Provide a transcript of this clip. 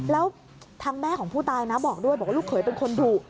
แล้วทางแม่ของผู้ตายนะบอกด้วยบอกว่าลูกเขยเป็นคนดุ